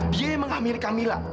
dia yang menghamil kamila